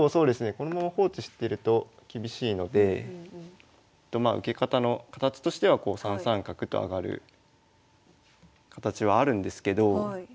このまま放置してると厳しいので受け方の形としてはこう３三角と上がる形はあるんですけど。